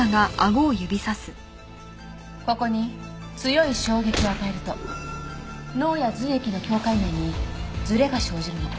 ここに強い衝撃を与えると脳や髄液の境界面にズレが生じるの。